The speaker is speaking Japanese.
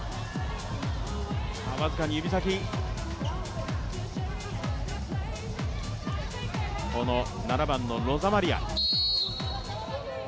僅かに指先、この７番のロザマリア。